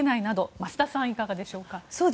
増田さん、いかがでしょうか？